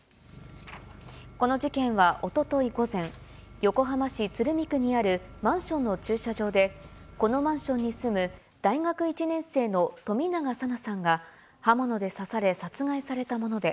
この事件はおととい午前、横浜市鶴見区にあるマンションの駐車場で、このマンションに住む大学１年生の冨永紗菜さんが刃物で刺され殺害されたもので、